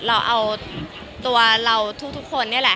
เราเอาตัวเราทุกคนนี่แหละ